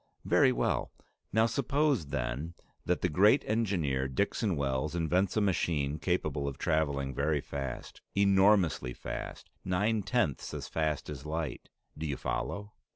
"Very well. Now suppose then that the great engineer Dixon Wells invents a machine capable of traveling very fast, enormously fast, nine tenths as fast as light. Do you follow?